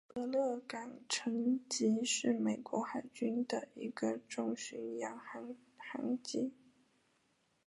俄勒冈城级是美国海军的一个重巡洋舰舰级。